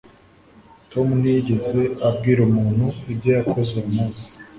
Tom ntiyigeze abwira umuntu ibyo yakoze uwo munsi